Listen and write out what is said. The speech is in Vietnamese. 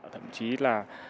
thậm chí là